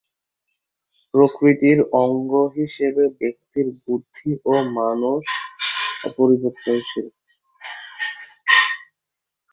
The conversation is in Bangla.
প্রকৃতির অঙ্গ হিসেবে ব্যক্তির বুদ্ধি ও মানস অপরিবর্তনশীল।